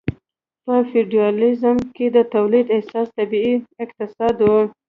په فیوډالیزم کې د تولید اساس طبیعي اقتصاد و.